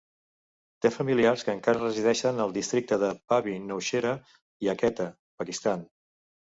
Té familiars que encara resideixen al districte de Pabbi Nowshera i a Quetta, Pakistan.